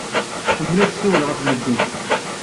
Tḥemmel ad tessiwel ɣef medden.